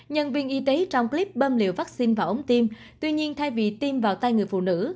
nhân viên y tế trong clip bơm liều vaccine vào ống tim tuy nhiên thay vì tiêm vào tay người phụ nữ